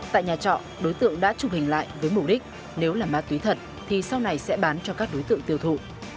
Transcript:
tại nhà trọ đối tượng đã chụp hình lại với mục đích nếu là ma túy thật thì sau này sẽ bán cho các đối tượng tiêu thụ